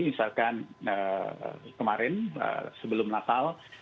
misalkan kemarin sebelum natal